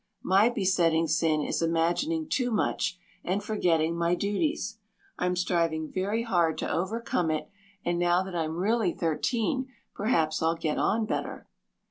My besetting sin is imagining too much and forgetting my duties. I'm striving very hard to overcome it and now that I'm really thirteen perhaps I'll get on better."